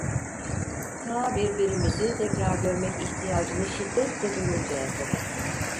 Ta birbirimizi tekrar görmek ihtiyacını şiddetle duyuncaya kadar…